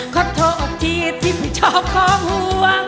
ก็โทษทีที่ไปชอบของห่วง